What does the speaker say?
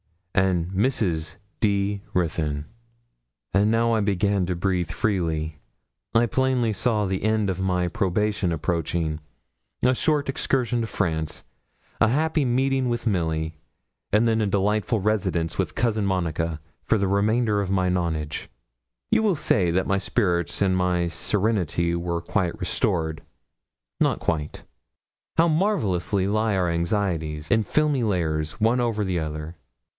and Mrs. D. Ruthyn.' And now I began to breathe freely, I plainly saw the end of my probation approaching: a short excursion to France, a happy meeting with Milly, and then a delightful residence with Cousin Monica for the remainder of my nonage. You will say then that my spirits and my serenity were quite restored. Not quite. How marvellously lie our anxieties, in filmy layers, one over the other!